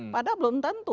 padahal belum tentu